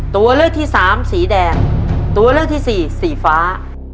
ตัวเลือกที่สามสีแดงตัวเลือกที่สี่สีฟ้า